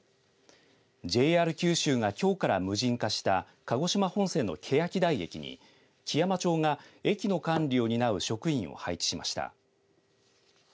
ＪＲ九州がきょうから無人化した鹿児島本線のけやき台駅に基山町が駅の管理を担う職員を配置しました。